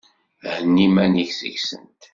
Henni iman-ik seg-sent!